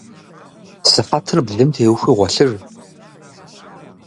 Сыхьэтыр блым теухуи гъуэлъыж.